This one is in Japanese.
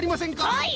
はい！